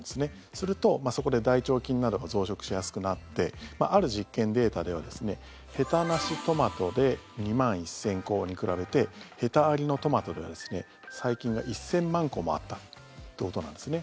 すると、そこで大腸菌などが増殖しやすくなってある実験データではへたなしトマトで２万１０００個に比べてへたありのトマトでは細菌が１０００万個もあったということなんですね。